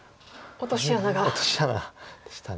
落とし穴でした。